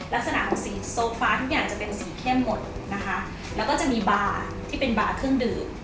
ลักษณะสีโซฟาทุกอย่างจะเป็นสีเข้มหมดนะคะแล้วก็จะมีบาร์ที่เป็นบาร์เครื่องดื่ม